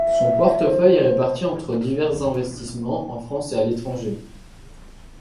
Son portefeuille est réparti entre divers investissements en France et à l'étranger.